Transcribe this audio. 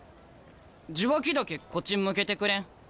受話器だけこっち向けてくれん？